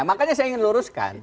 makanya saya ingin luruskan